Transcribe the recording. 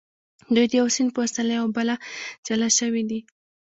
دوی د یو سیند په واسطه له یو بله جلا شوي دي.